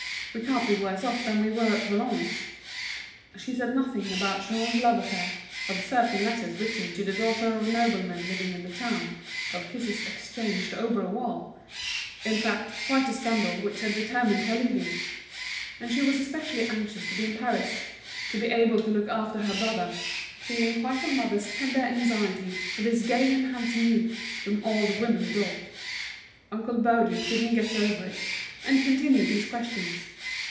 We can't be worse off than we were at Valognes." She said nothing about Jean's love affair, of certain letters written to the daughter of a nobleman living in the town, of kisses exchanged over a wall—in fact, quite a scandal which had determined her leaving. And she was especially anxious to be in Paris, to be able to look after her brother, feeling quite a mother's tender anxiety for this gay and handsome youth, whom all the women adored. Uncle Baudu couldn't get over it, and continued his questions.